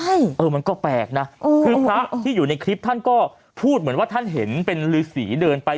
ใช่เออมันก็แปลกนะคือพระที่อยู่ในคลิปท่านก็พูดเหมือนว่าท่านเห็นเป็นฤษีเดินไป